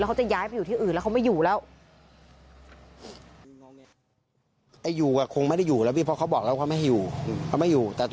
เขาจะย้ายไปอยู่ที่อื่นแล้วเขาไม่อยู่แล้ว